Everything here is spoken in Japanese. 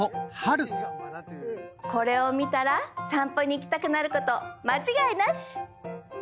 これを見たら散歩に行きたくなること間違いなし！